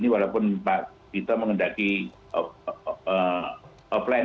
walaupun pak tito mengendaki offline